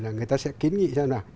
là người ta sẽ kiến nghị xem là